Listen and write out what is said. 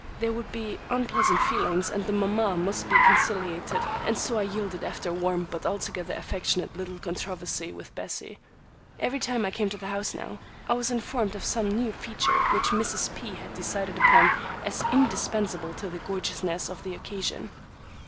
There would be unpleasant feelings, and the mamma must be conciliated, and so I yielded after a warm but altogether affectionate little controversy with Bessie. Every time I came to the house now, I was informed of some new feature which Mrs. P. had decided upon as indispensable to the gorgeousness of the occasion.